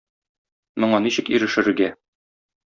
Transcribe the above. Моңа ничек ирешергә?